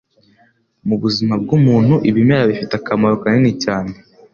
Mu buzima bw'umuntu ibimera bifite akamaro kanini cyane